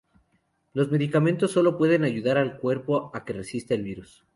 Los medicamentos sólo pueden ayudar al cuerpo a que resista el virus.